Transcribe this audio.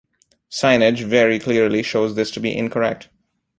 Signage very clearly shows this to be incorrect.